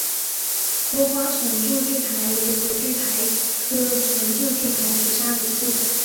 多花唇柱苣苔为苦苣苔科唇柱苣苔属下的一个种。